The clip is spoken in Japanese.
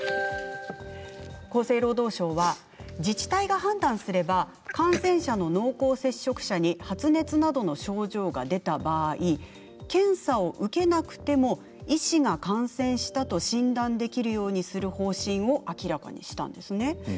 厚生労働省は自治体が判断すれば感染者の濃厚接触者に発熱などの症状が出た場合検査を受けなくても医師が感染したと診断できるようにする方針を明らかにしたんです。